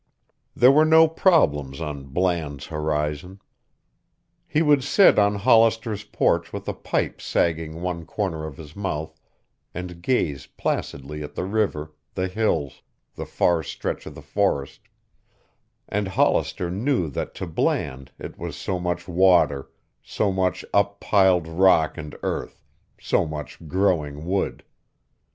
There were no problems on Bland's horizon. He would sit on Hollister's porch with a pipe sagging one corner of his mouth and gaze placidly at the river, the hills, the far stretch of the forest, and Hollister knew that to Bland it was so much water, so much up piled rock and earth, so much growing wood.